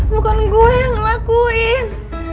bukan gue yang ngelakuin